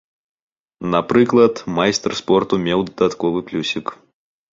Напрыклад, майстар спорту меў дадатковы плюсік.